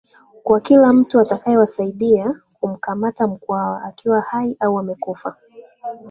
kwa kila mtu atakayewasaidia kumkamata Mkwawa akiwa hai au amekufa